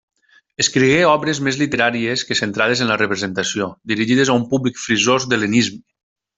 Escrigué obres més literàries que centrades en la representació, dirigides a un públic frisós d'hel·lenisme.